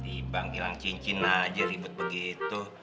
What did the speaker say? ibang ilang cincin aja ribet begitu